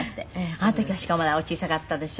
あの時はしかもまだお小さかったでしょ？